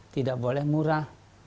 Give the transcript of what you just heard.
tidak boleh murah